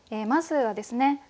まずはですね